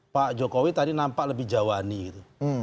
pak jokowi tadi nampak lebih jawa ani gitu